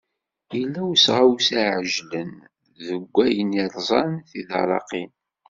Yella usɣawsa iεeǧlen deg ayen irzan tidarraqin.